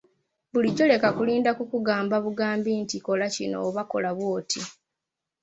Bulijjo leka kulinda kukugamba bugambi nti kola kino oba kola bwoti.